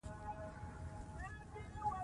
ښتې د افغانستان د پوهنې نصاب کې شامل دي.